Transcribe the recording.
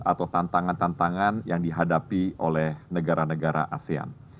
atau tantangan tantangan yang dihadapi oleh negara negara asean